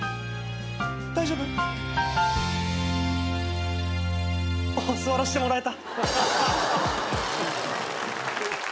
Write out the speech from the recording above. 大丈夫？座らしてもらえた。